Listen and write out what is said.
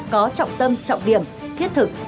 có trọng tâm trọng điểm thiết thực